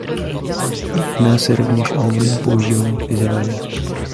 Jedná se rovněž o měnu používanou v Izraeli.